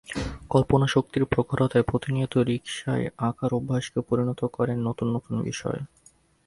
কল্পনাশক্তির প্রখরতায় প্রতিনিয়ত রিকশায় আঁকার অভ্যাসকে পরিণত করেন নতুন নতুন বিষয়ে।